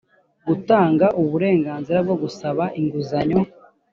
gutanga uburenganzira bwo gusaba inguzanyo